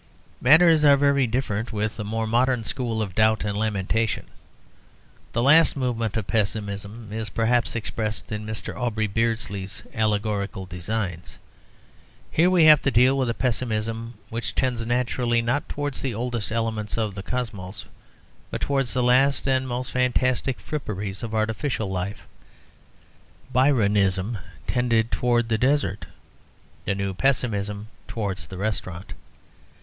Matters are very different with the more modern school of doubt and lamentation. The last movement of pessimism is perhaps expressed in Mr. Aubrey Beardsley's allegorical designs. Here we have to deal with a pessimism which tends naturally not towards the oldest elements of the cosmos, but towards the last and most fantastic fripperies of artificial life. Byronism tended towards the desert; the new pessimism towards the restaurant.